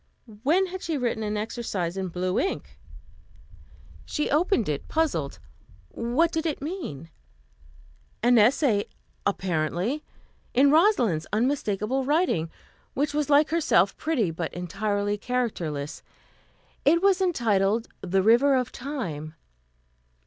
When had she written an exercise in blue ink? She opened it, puzzled. What did it mean? An essay, apparently, in Rosalind's unmistakable writing, which was like herself, pretty, but entirely characterless. It was entitled "_The River of Time.